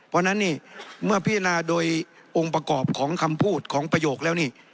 เพราะฉะนั้นนี่เมื่อพิจารณาโดยองค์ประกอบของคำพูดของประโยคแล้วนี่